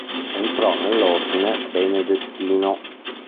Entrò nell'ordine benedettino.